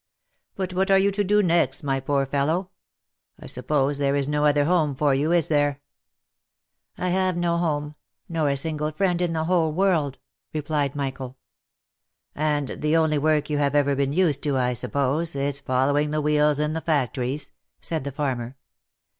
But what are you to do next, my poor fellow ? I suppose there is no other home for you, is there ?"" I have no home, nor a single friend in the whole world,'' replied Michael. " And the only work you have ever been used to, I suppose, is fol lowing the wheels in the factories ?" said the farmer.